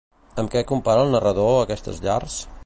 Amb què compara el narrador aquestes llars?